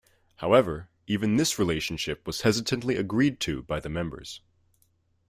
However, even this relationship was hesitantly agreed to by the members.